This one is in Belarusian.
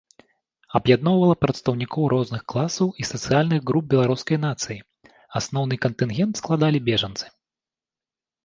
Аб'ядноўвала прадстаўнікоў розных класаў і сацыяльных груп беларускай нацыі, асноўны кантынгент складалі бежанцы.